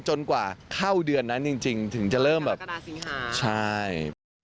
จนกว่าเข้าเดือนนั้นจริงถึงจะเริ่มแบบใช่